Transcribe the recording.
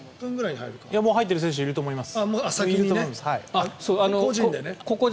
もう入っている選手はいると思います。